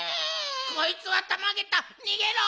こいつはたまげた。にげろ！